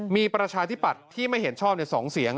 มีประชาธิปัตย์ที่ไม่เห็นชอบใน๒เสียง